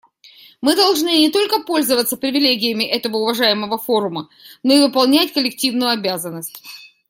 Мы должны не только пользоваться привилегиями этого уважаемого форума, но и выполнять коллективную обязанность.